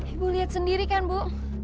ibu lihat sendiri kan bu